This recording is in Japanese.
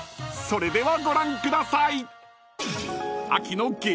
それではご覧ください！］